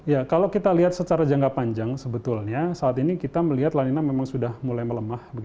ya kalau kita lihat secara jangka panjang sebetulnya saat ini kita melihat lanina memang sudah mulai melemah